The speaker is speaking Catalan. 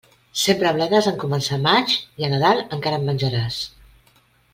Sembra bledes en començar maig, i a Nadal encara en menjaràs.